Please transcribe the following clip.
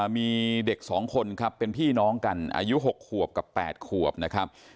มีเด็ก๒คนครับเป็นพี่น้องกันอายุ๖ขวบกับ๘ขวบนะครับ